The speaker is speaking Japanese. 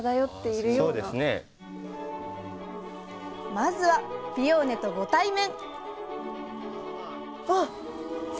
まずはピオーネとご対面！